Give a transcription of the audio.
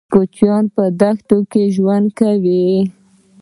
کوچيان په دښتو کې ژوند کوي.